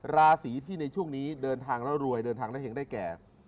ราศีที่ในช่วงนี้เดินทางแล้วรวยเดินทางแล้วเห็งได้แก่